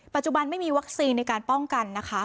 ปัจจุบันไม่มีวัคซีนในการป้องกันนะคะ